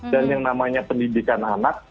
dan yang namanya pendidikan anak